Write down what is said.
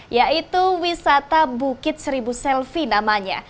yaitu wisata bukit seribu selfie namanya